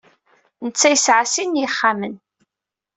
Netta yesɛa sin n yixxamen.